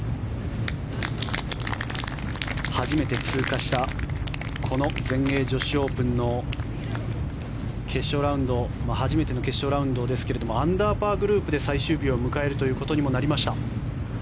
初めて通過したこの全英女子オープンの決勝ラウンド初めての決勝ラウンドですがアンダーパーグループで最終日を迎えるということにもなりました。